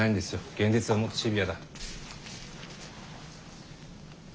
現実はもっとシビアだ。